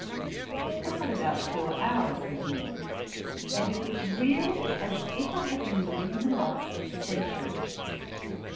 I sat about four hours with him, and it was really as if I had been living in the last century.